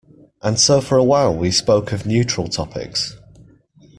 And so for a while we spoke of neutral topics.